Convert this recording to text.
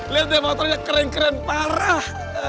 lihat dia motornya keren keren parah